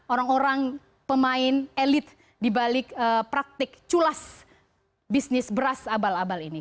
orang orang pemain elit dibalik praktik culas bisnis beras abal abal ini